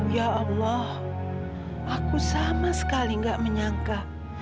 ya allah aku sama sekali gak menyangka